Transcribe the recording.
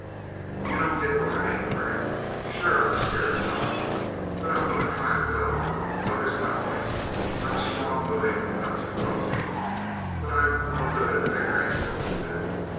"You don't get what I mean, Frank. Sure I'm scared some but I'm gonna try to go. Well, here's my point. I'm strong, willing, not too clumsy. But I'm no good at figuring what to do.